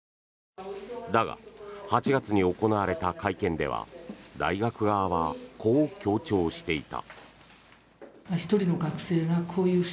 だが、８月に行われた会見では大学側はこう強調していた。